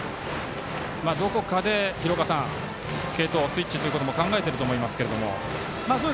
どこかで廣岡さん継投、スイッチというのも考えていると思いますけれども。